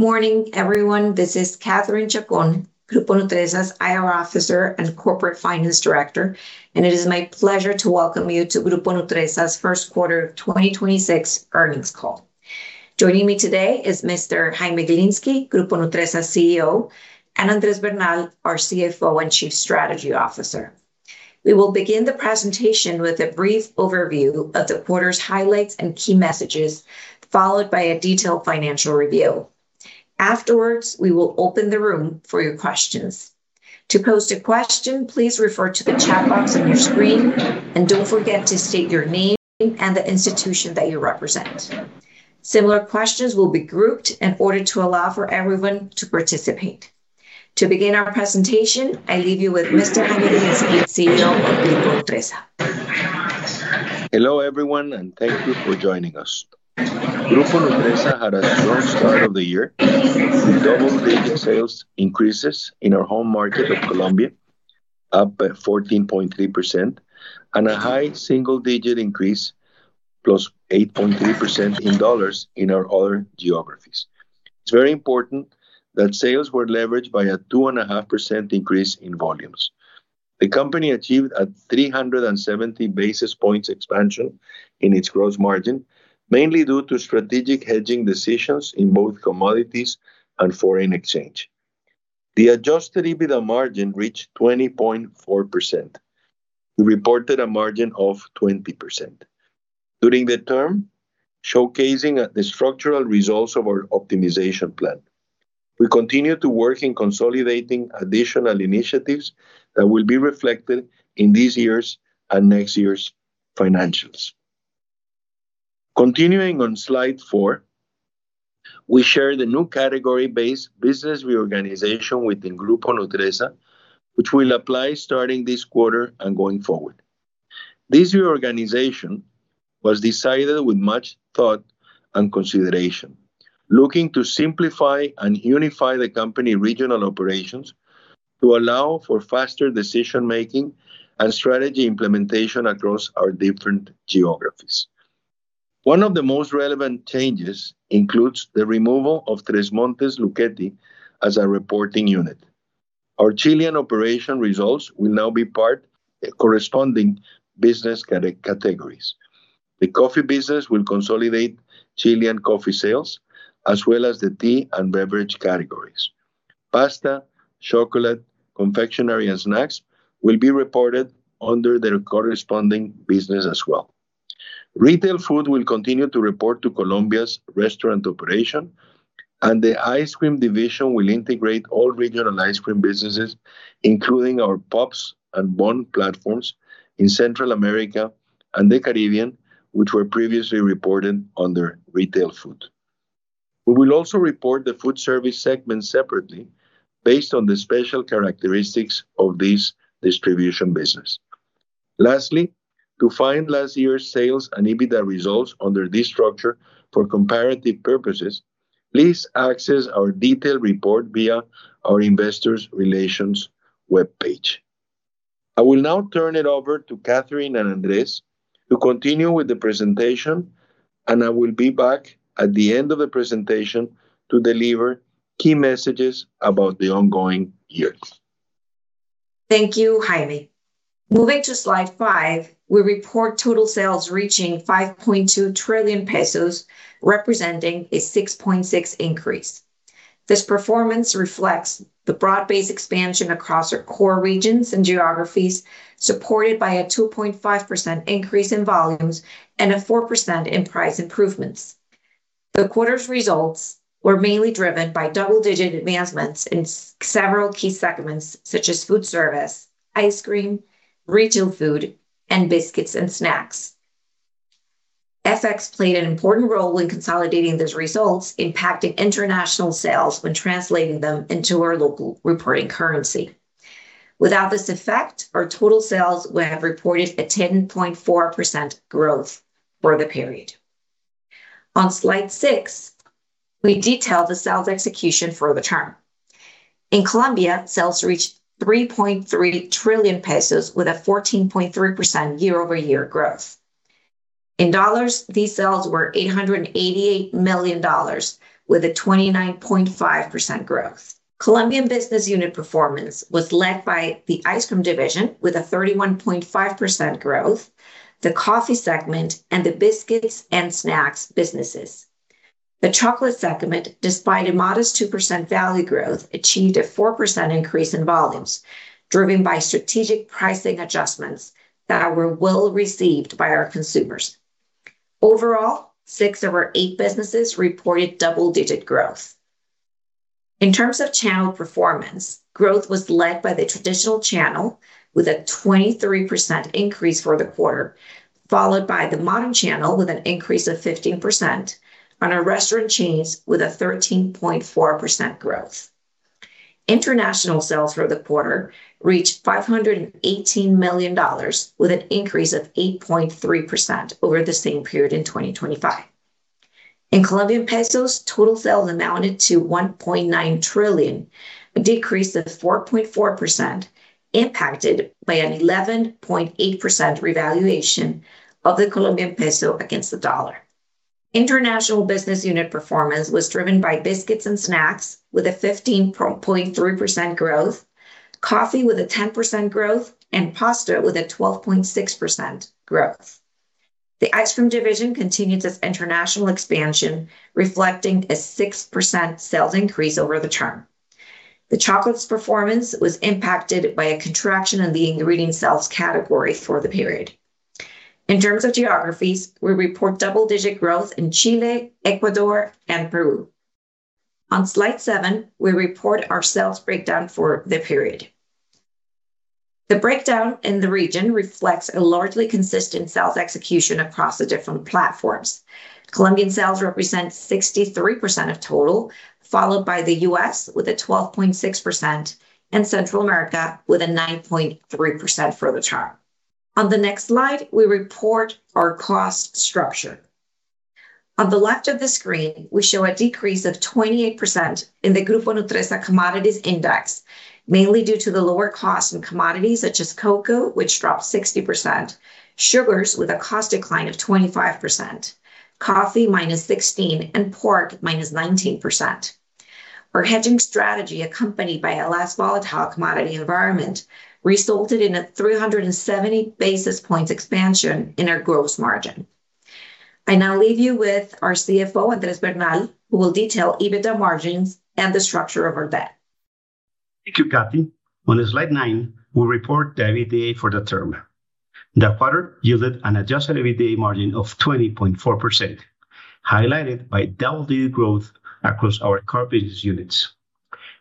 Good morning, everyone. This is Catherine Chacón, Grupo Nutresa's IR officer and corporate finance director, and it is my pleasure to welcome you to Grupo Nutresa's first quarter 2026 earnings call. Joining me today is Mr. Jaime Gilinski, Grupo Nutresa CEO, and Andrés Bernal, our CFO and chief strategy officer. We will begin the presentation with a brief overview of the quarter's highlights and key messages, followed by a detailed financial review. Afterwards, we will open the room for your questions. To pose a question, please refer to the chat box on your screen, and don't forget to state your name and the institution that you represent. Similar questions will be grouped in order to allow for everyone to participate. To begin our presentation, I leave you with Mr. Jaime Gilinski, CEO of Grupo Nutresa. Hello, everyone, and thank you for joining us. Grupo Nutresa had a strong start of the year, with double-digit sales increases in our home market of Colombia, up by 14.3%, and a high single digit increase, +8.3% in dollars in our other geographies. It's very important that sales were leveraged by a 2.5% increase in volumes. The company achieved a 370 basis points expansion in its gross margin, mainly due to strategic hedging decisions in both commodities and foreign exchange. The adjusted EBITDA margin reached 20.4%. We reported a margin of 20% during the term, showcasing the structural results of our optimization plan. We continue to work in consolidating additional initiatives that will be reflected in this year's and next year's financials. Continuing on slide four, we share the new category-based business reorganization within Grupo Nutresa, which will apply starting this quarter and going forward. This reorganization was decided with much thought and consideration, looking to simplify and unify the company regional operations to allow for faster decision-making and strategy implementation across our different geographies. One of the most relevant changes includes the removal of Tresmontes Lucchetti as a reporting unit. Our Chilean operation results will now be part corresponding business categories. The coffee business will consolidate Chilean coffee sales, as well as the tea and beverage categories. Pasta, chocolate, confectionery, and snacks will be reported under their corresponding business as well. Retail Food will continue to report to Colombia's restaurant operation, and the Ice Cream Division will integrate all regional ice cream businesses, including our Pops and Bon platforms in Central America and the Caribbean, which were previously reported under Retail Food. We will also report the Food Service Segment separately based on the special characteristics of this distribution business. Lastly, to find last year's sales and EBITDA results under this structure for comparative purposes, please access our detailed report via our investor relations webpage. I will now turn it over to Catherine and Andrés to continue with the presentation, and I will be back at the end of the presentation to deliver key messages about the ongoing year. Thank you, Jaime. Moving to slide five, we report total sales reaching COP 5.2 trillion, representing a 6.6% increase. This performance reflects the broad-based expansion across our core regions and geographies, supported by a 2.5% increase in volumes and a 4% in price improvements. The quarter's results were mainly driven by double-digit advancements in several key segments such as food service, ice cream, retail food, and biscuits and snacks. FX played an important role in consolidating those results, impacting international sales when translating them into our local reporting currency. Without this effect, our total sales would have reported a 10.4% growth for the period. On slide six, we detail the sales execution for the term. In Colombia, sales reached COP 3.3 trillion with a 14.3% year-over-year growth. In dollars, these sales were $888 million, with a 29.5% growth. Colombian business unit performance was led by the ice cream division with a 31.5% growth, the coffee segment, and the biscuits and snacks businesses. The chocolate segment, despite a modest 2% value growth, achieved a 4% increase in volumes, driven by strategic pricing adjustments that were well-received by our consumers. Overall, six of our eight businesses reported double-digit growth. In terms of channel performance, growth was led by the traditional channel with a 23% increase for the quarter, followed by the modern channel with an increase of 15% and our restaurant chains with a 13.4% growth. International sales for the quarter reached $518 million, with an increase of 8.3% over the same period in 2025. In Colombian pesos, total sales amounted to COP 1.9 trillion, a decrease of 4.4% impacted by an 11.8% revaluation of the Colombian peso against the dollar. International business unit performance was driven by biscuits and snacks with a 15.3% growth, coffee with a 10% growth, and pasta with a 12.6% growth. The ice cream division continues its international expansion, reflecting a 6% sales increase over the term. The chocolate's performance was impacted by a contraction in the ingredient sales category for the period. In terms of geographies, we report double-digit growth in Chile, Ecuador, and Peru. On slide seven, we report our sales breakdown for the period. The breakdown in the region reflects a largely consistent sales execution across the different platforms. Colombian sales represent 63% of total, followed by the U.S. with a 12.6%, and Central America with a 9.3% for the term. On the next slide, we report our cost structure. On the left of the screen, we show a decrease of 28% in the Grupo Nutresa commodities index, mainly due to the lower cost in commodities such as cocoa, which dropped 60%, sugars with a cost decline of 25%, coffee -16%, and pork -19%. Our hedging strategy, accompanied by a less volatile commodity environment, resulted in a 370 basis points expansion in our gross margin. I now leave you with our CFO, Andrés Bernal, who will detail EBITDA margins and the structure of our debt. Thank you, Cathy. On slide nine, we report the EBITDA for the term. The quarter yielded an adjusted EBITDA margin of 20.4%, highlighted by double-digit growth across our core business units.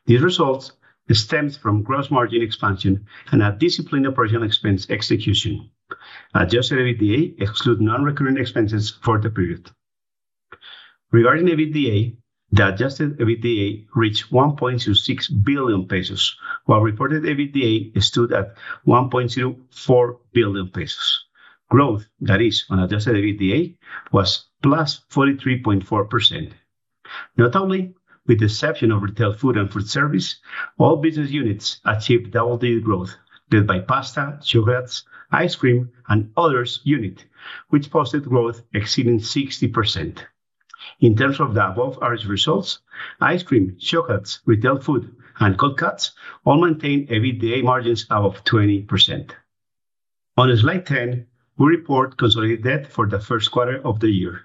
These results stemmed from gross margin expansion and a disciplined operational expense execution. Adjusted EBITDA exclude non-recurring expenses for the period. Regarding EBITDA, the adjusted EBITDA reached COP 1.26 billion, while reported EBITDA stood at COP 1.04 billion. Growth, that is on adjusted EBITDA, was +43.4%. Not only, with the exception of retail food and food service, all business units achieved double-digit growth led by pasta, yogurts, ice cream, and others unit, which posted growth exceeding 60%. In terms of the above average results, ice cream, yogurts, retail food, and cold cuts all maintain EBITDA margins above 20%. On slide 10, we report consolidated debt for the first quarter of the year.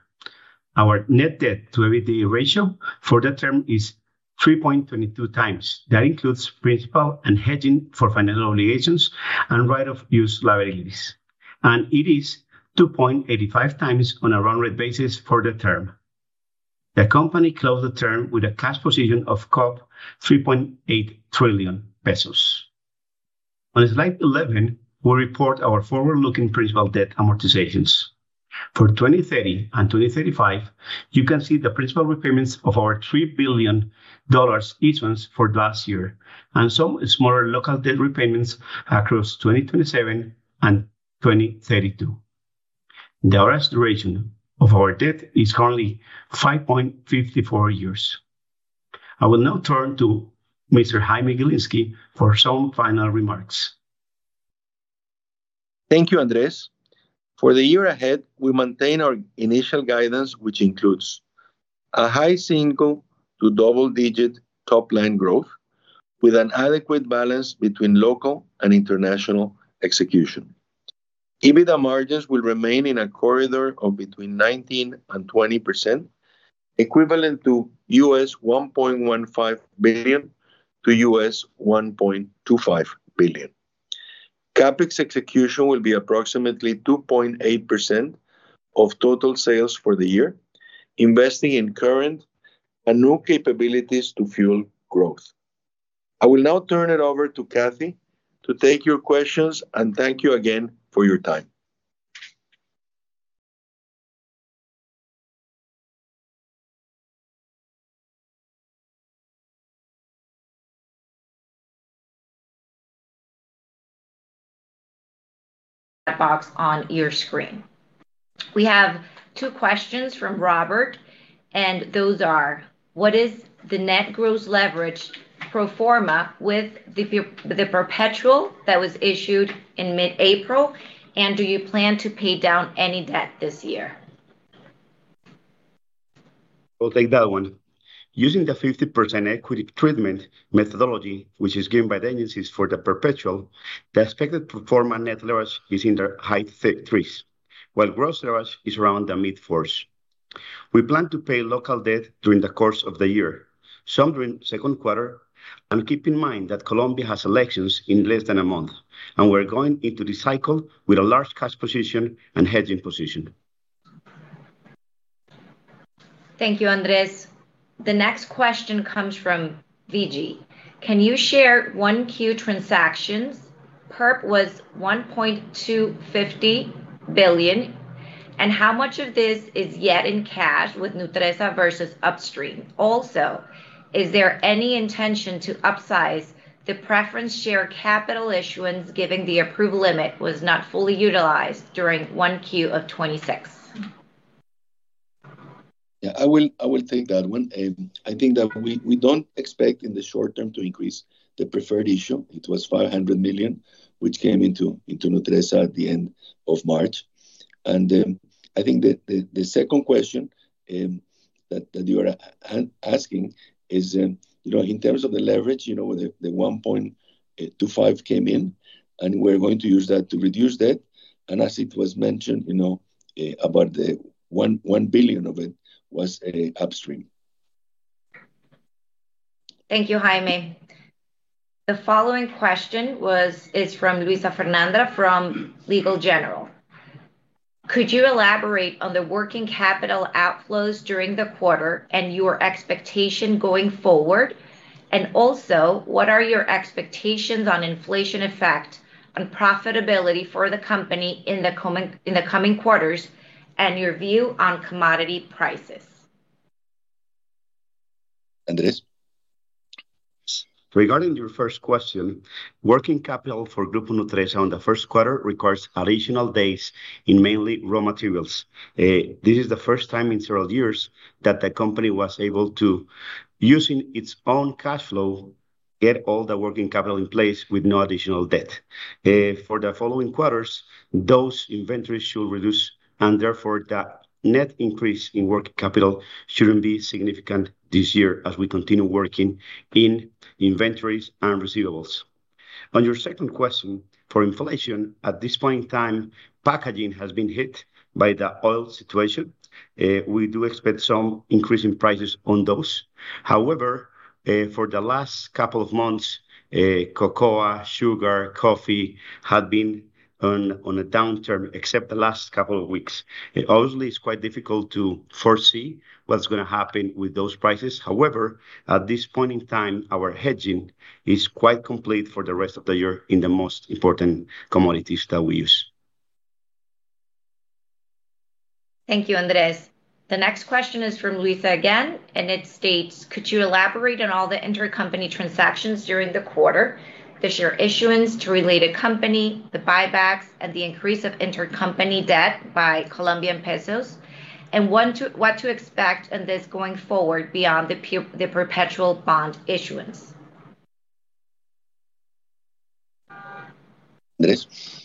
Our net debt to EBITDA ratio for that term is 3.22x. That includes principal and hedging for financial obligations and right-of-use liabilities, and it is 2.85x on a run rate basis for the term. The company closed the term with a cash position of COP 3.8 trillion. On slide 11, we report our forward-looking principal debt amortizations. For 2030 and 2035, you can see the principal repayments of our $3 billion issuance for last year and some smaller local debt repayments across 2027 and 2032. The average duration of our debt is currently 5.54 years. I will now turn to Mr. Jaime Gilinski for some final remarks. Thank you, Andrés. For the year ahead, we maintain our initial guidance, which includes a high single to double-digit top-line growth with an adequate balance between local and international execution. EBITDA margins will remain in a corridor of between 19% and 20%, equivalent to $1.15 billion-$1.25 billion. CapEx execution will be approximately 2.8% of total sales for the year, investing in current and new capabilities to fuel growth. I will now turn it over to Cathy to take your questions. Thank you again for your time. That box on your screen. We have two questions from Robert. Those are: What is the net gross leverage pro forma with the perpetual that was issued in mid-April? Do you plan to pay down any debt this year? I'll take that one. Using the 50% equity treatment methodology, which is given by the agencies for the perpetual, the expected pro forma net leverage is in the high threes, while gross leverage is around the mid-fours. We plan to pay local debt during the course of the year, some during second quarter. Keep in mind that Colombia has elections in less than a month, and we're going into this cycle with a large cash position and hedging position. Thank you, Andrés. The next question comes from VG: Can you share 1Q transactions? Perp was COP 1.250 billion. How much of this is yet in cash with Nutresa versus upstream? Is there any intention to upsize the preference share capital issuance given the approved limit was not fully utilized during 1Q of 2026? Yeah, I will take that one. I think that we don't expect in the short term to increase the preferred issue. It was COP 500 million, which came into Nutresa at the end of March. I think the second question that you are asking is, you know, in terms of the leverage, you know, the COP 1.25 billion came in, and we're going to use that to reduce debt. As it was mentioned, you know, about the COP 1 billion of it was upstream. Thank you, Jaime. The following question is from Luisa Fernanda from Legal & General. Could you elaborate on the working capital outflows during the quarter and your expectation going forward? Also, what are your expectations on inflation effect on profitability for the company in the coming quarters, and your view on commodity prices? Andrés. Regarding your first question, working capital for Grupo Nutresa on the first quarter requires additional days in mainly raw materials. This is the first time in several years that the company was able to, using its own cash flow, get all the working capital in place with no additional debt. For the following quarters, those inventories should reduce, and therefore that net increase in working capital shouldn't be significant this year as we continue working in inventories and receivables. On your second question, for inflation, at this point in time, packaging has been hit by the oil situation. We do expect some increase in prices on those. However, for the last couple of months, cocoa, sugar, coffee had been on a downturn, except the last couple of weeks. It obviously is quite difficult to foresee what's gonna happen with those prices. At this point in time, our hedging is quite complete for the rest of the year in the most important commodities that we use. Thank you, Andrés. The next question is from Luisa again, and it states, "Could you elaborate on all the intercompany transactions during the quarter? The share issuance to related company, the buybacks, and the increase of intercompany debt by Colombian pesos, and what to expect in this going forward beyond the perpetual bond issuance? Andrés.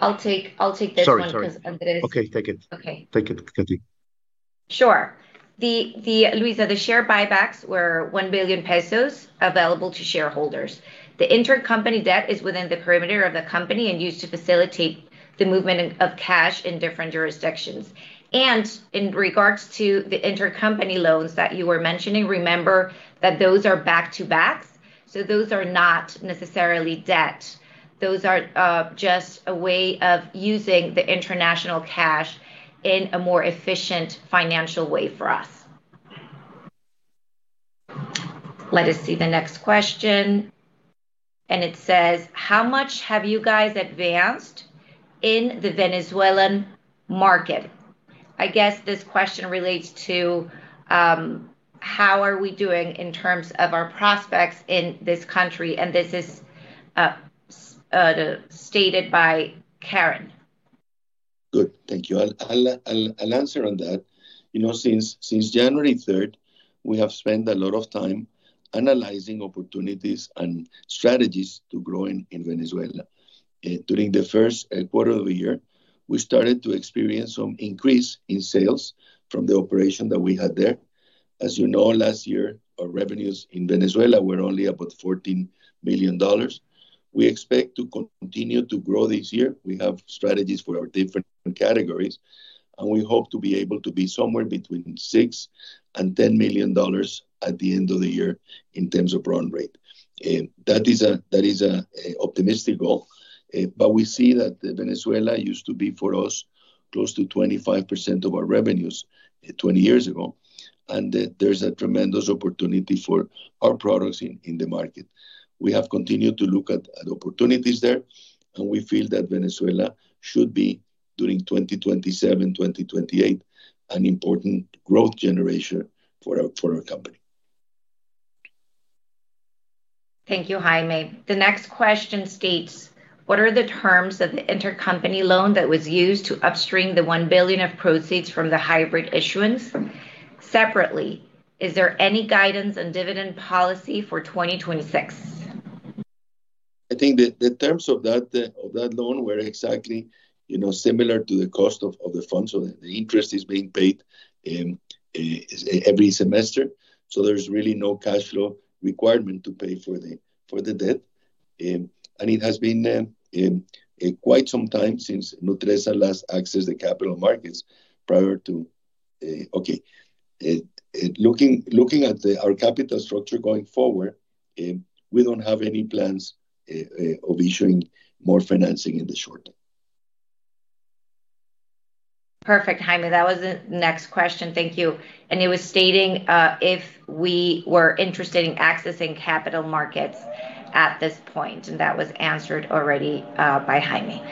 I'll take this one. Sorry. 'cause Andrés Okay, take it. Okay. Take it, Cathy. Sure. Luisa, the share buybacks were COP 1 billion available to shareholders. The intercompany debt is within the perimeter of the company and used to facilitate the movement of cash in different jurisdictions. In regards to the intercompany loans that you were mentioning, remember that those are back-to-backs, so those are not necessarily debt. Those are just a way of using the international cash in a more efficient financial way for us. Let us see the next question. It says, "How much have you guys advanced in the Venezuelan market?" I guess this question relates to how are we doing in terms of our prospects in this country, this is stated by Karen. Good. Thank you. I'll answer on that. You know, since January 3rd, we have spent a lot of time analyzing opportunities and strategies to growing in Venezuela. During the first quarter of the year, we started to experience some increase in sales from the operation that we had there. As you know, last year, our revenues in Venezuela were only about COP 14 million. We expect to continue to grow this year. We have strategies for our different categories, and we hope to be able to be somewhere between COP 6 million and COP 10 million at the end of the year in terms of run rate. That is an optimistic goal, but we see that Venezuela used to be for us close to 25% of our revenues 20 years ago, and there's a tremendous opportunity for our products in the market. We have continued to look at opportunities there, and we feel that Venezuela should be, during 2027, 2028, an important growth generation for our company. Thank you, Jaime. The next question states, "What are the terms of the intercompany loan that was used to upstream the COP 1 billion of proceeds from the hybrid issuance? Separately, is there any guidance on dividend policy for 2026? I think the terms of that loan were exactly, you know, similar to the cost of the funds. The interest is being paid every semester, so there's really no cashflow requirement to pay for the debt. It has been quite some time since Nutresa last accessed the capital markets prior to. Okay, looking at our capital structure going forward, we don't have any plans of issuing more financing in the short term. Perfect, Jaime. That was the next question. Thank you. It was stating if we were interested in accessing capital markets at this point, and that was answered already by Jaime.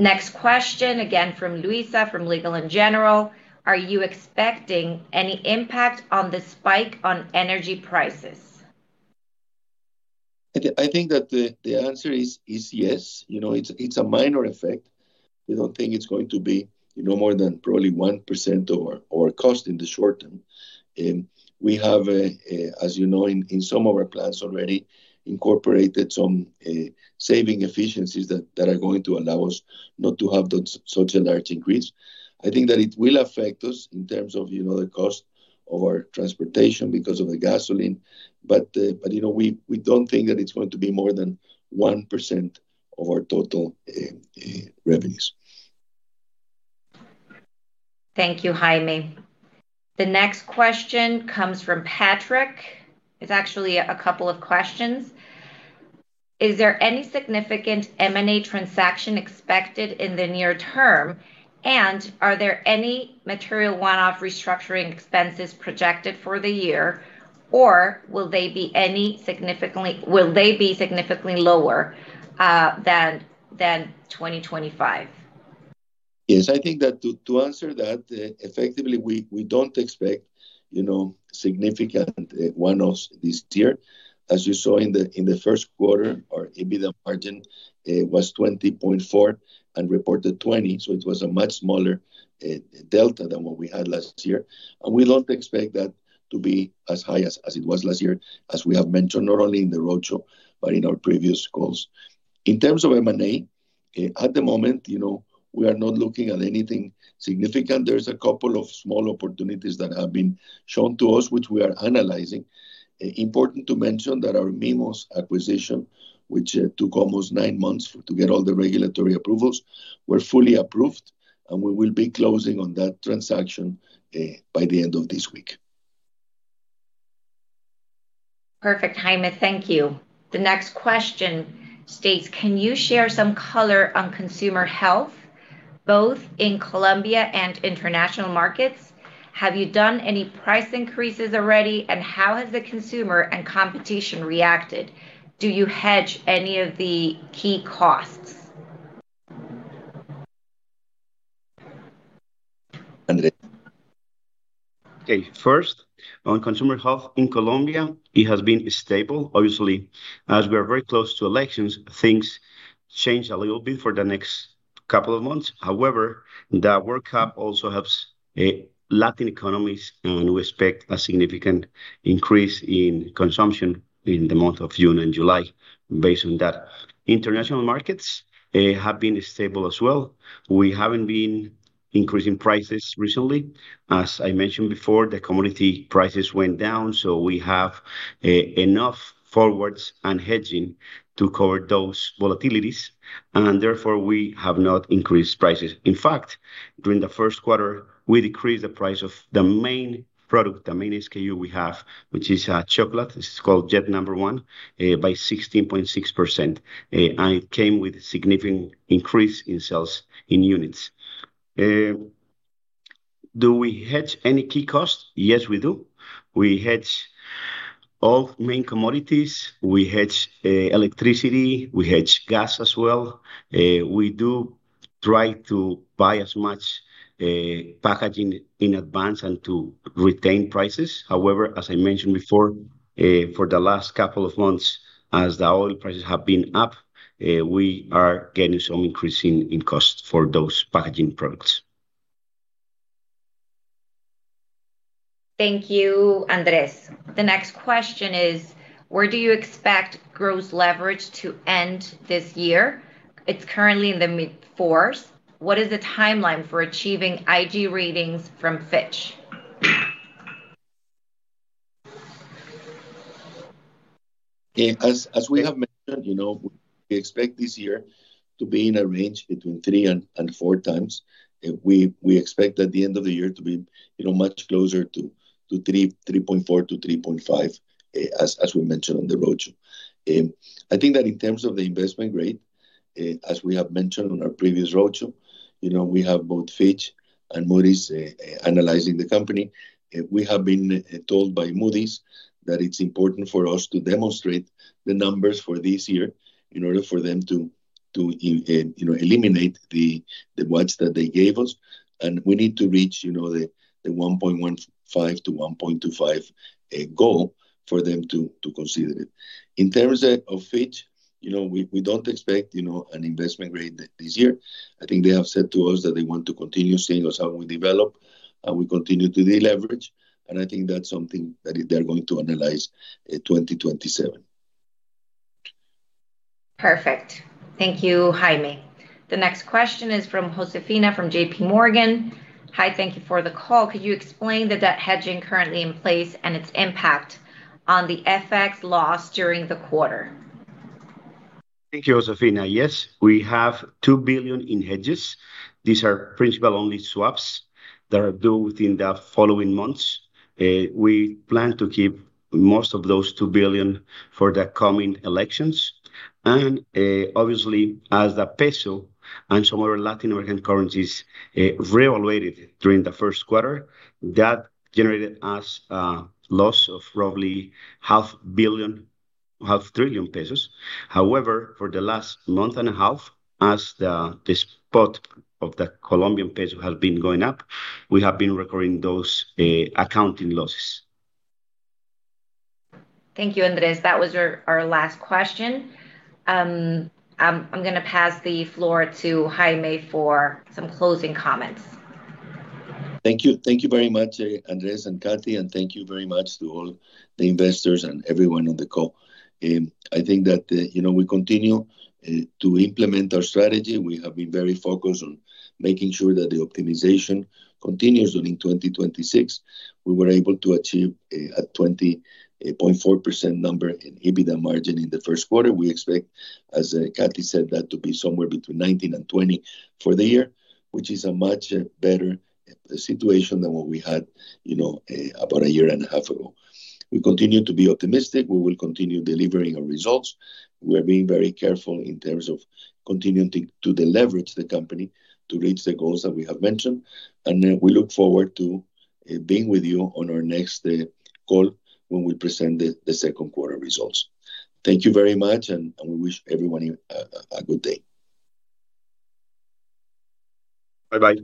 Next question, again from Luisa, from Legal & General. Are you expecting any impact on the spike on energy prices? I think that the answer is yes. You know, it's a minor effect. We don't think it's going to be, you know, more than probably 1% of our cost in the short term. We have, as you know, in some of our plans already incorporated some saving efficiencies that are going to allow us not to have that such a large increase. I think that it will affect us in terms of, you know, the cost of our transportation because of the gasoline. You know, we don't think that it's going to be more than 1% of our total revenues. Thank you, Jaime. The next question comes from Patrick. It's actually a couple of questions. Is there any significant M&A transaction expected in the near term? Are there any material one-off restructuring expenses projected for the year, or will they be significantly lower than 2025? Yes. I think that to answer that effectively, we don't expect, you know, significant one-offs this year. As you saw in the 1st quarter, our EBITDA margin was 20.4% and reported 20%, so it was a much smaller delta than what we had last year. We don't expect that to be as high as it was last year, as we have mentioned, not only in the roadshow but in our previous calls. In terms of M&A, at the moment, you know, we are not looking at anything significant. There's a couple of small opportunities that have been shown to us, which we are analyzing. Important to mention that our Mimo's acquisition, which took almost 9 months to get all the regulatory approvals, we're fully approved, and we will be closing on that transaction by the end of this week. Perfect, Jaime. Thank you. The next question states, can you share some color on consumer health, both in Colombia and international markets? Have you done any price increases already, and how has the consumer and competition reacted? Do you hedge any of the key costs? Andrés. Okay. First, on consumer health in Colombia, it has been stable. Obviously, as we are very close to elections, things change a little bit for the next couple of months. However, the World Cup also helps Latin economies, and we expect a significant increase in consumption in the month of June and July based on that. International markets have been stable as well. We haven't been increasing prices recently. As I mentioned before, the commodity prices went down, so we have enough forwards and hedging to cover those volatilities, and therefore we have not increased prices. In fact, during the first quarter, we decreased the price of the main product, the main SKU we have, which is chocolate, it's called Jet Number One, by 16.6%, and it came with significant increase in sales in units. Do we hedge any key costs? Yes, we do. We hedge all main commodities. We hedge electricity. We hedge gas as well. We do try to buy as much packaging in advance and to retain prices. However, as I mentioned before, for the last couple of months, as the oil prices have been up, we are getting some increase in cost for those packaging products. Thank you, Andrés. The next question is, where do you expect gross leverage to end this year? It's currently in the mid-fours. What is the timeline for achieving IG ratings from Fitch? As we have mentioned, you know, we expect this year to be in a range between 3x and 4x. We expect at the end of the year to be, you know, much closer to 3.4x-3.5x, as we mentioned on the roadshow. I think that in terms of the investment grade, as we have mentioned on our previous roadshow, you know, we have both Fitch and Moody's analyzing the company. We have been told by Moody's that it's important for us to demonstrate the numbers for this year in order for them to, you know, eliminate the watch that they gave us, and we need to reach, you know, 1.15x-1.25x goal for them to consider it. In terms of Fitch, you know, we don't expect, you know, an investment grade this year. I think they have said to us that they want to continue seeing us how we develop, and we continue to deleverage, and I think that's something that they're going to analyze 2027. Perfect. Thank you, Jaime. The next question is from Josefina, from JPMorgan. Hi, thank you for the call. Could you explain the debt hedging currently in place and its impact on the FX loss during the quarter? Thank you, Josefina. We have COP 2 billion in hedges. These are principal-only swaps that are due within the following months. We plan to keep most of those COP 2 billion for the coming elections. Obviously, as the peso and some other Latin American currencies reevaluated during the first quarter, that generated us a loss of roughly COP 500 billion. However, for the last month and a half, as the spot of the Colombian peso has been going up, we have been recovering those accounting losses. Thank you, Andrés. That was our last question. I'm going to pass the floor to Jaime for some closing comments. Thank you. Thank you very much, Andrés and Cathy, and thank you very much to all the investors and everyone on the call. I think that, you know, we continue to implement our strategy. We have been very focused on making sure that the optimization continues during 2026. We were able to achieve a 20.4% number in EBITDA margin in the first quarter. We expect, as Cathy said, that to be somewhere between 19% and 20% for the year, which is a much better situation than what we had, you know, about a year and a half ago. We continue to be optimistic. We will continue delivering our results. We're being very careful in terms of continuing to deleverage the company to reach the goals that we have mentioned, and we look forward to being with you on our next call when we present the second quarter results. Thank you very much, and we wish everyone a good day. Bye-bye.